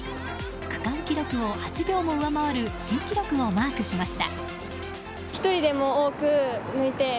区間記録を８秒も上回る新記録をマークしました。